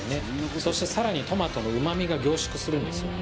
そしてさらにトマトの旨味が凝縮するんですよ